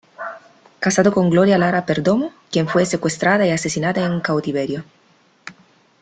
Casado con Gloria Lara Perdomo, quien fue secuestrada y asesinada en cautiverio.